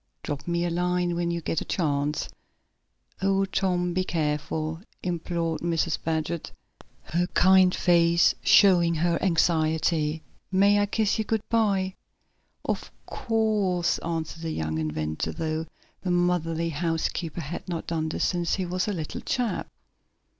"Drop me a line when you get a chance." "Oh, Tom, do be careful," implored Mrs. Baggert, her kind face showing her anxiety. "May I kiss you good by?" "Of course," answered the young inventor, though the motherly housekeeper had not done this since he was a little chap.